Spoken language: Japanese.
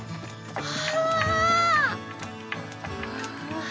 うわ！